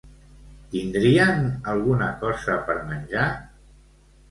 Tindrien alguna cosa per menjar?